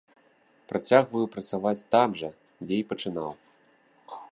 Працягваю працаваць там жа, дзе і пачынаў.